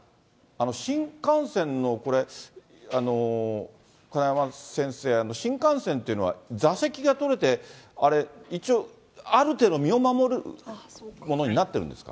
新幹線の、これ、金山先生、新幹線っていうのは座席が取れて、あれ、一応、ある程度、身を守るものになってるんですか？